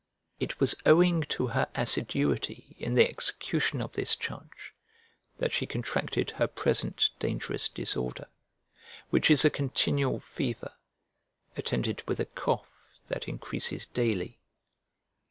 It was owing to her assiduity in the execution of this charge that she contracted her present dangerous disorder, which is a continual fever, attended with a cough that increases daily.